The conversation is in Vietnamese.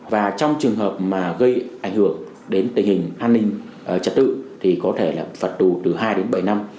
và trong trường hợp mà gây ảnh hưởng đến tình hình an ninh trật tự thì có thể là phạt tù từ hai đến bảy năm